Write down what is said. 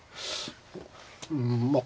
うんまあ